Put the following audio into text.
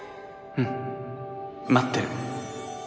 うん待ってる